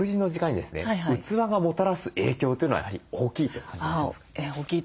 器がもたらす影響というのはやはり大きいと感じていらっしゃいますか？